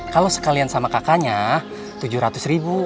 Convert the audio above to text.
kalau sekalian sama kakaknya tujuh ratus ribu